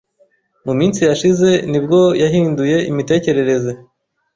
Mu minsi yashize ni bwo yahinduye imitekerereze.